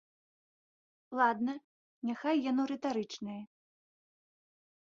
Ладна, няхай яно рытарычнае.